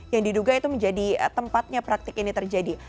yang diduga itu menjadi tempatnya praktik ini terjadi